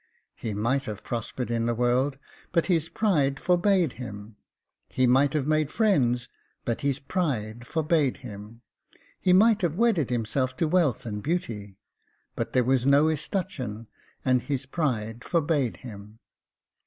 He might have prospered in the world, but his pride forbade him. He might have made friends, but his pride forbade him. He might have wedded himself to wealth and beauty, but there was no escutcheon, and his pride forbade him.